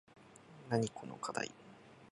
なにこのかだい